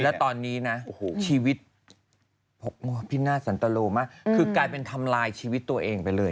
แล้วตอนนี้นะชีวิตพินาศสันตโลมากคือกลายเป็นทำลายชีวิตตัวเองไปเลย